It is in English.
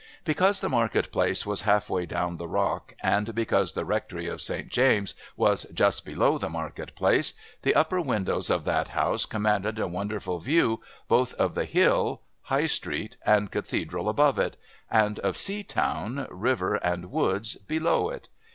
Because the market place was half way down the Rock, and because the Rectory of St. James' was just below the market place, the upper windows of that house commanded a wonderful view both of the hill, High Street and Cathedral above it, and of Seatown, river and woods below it.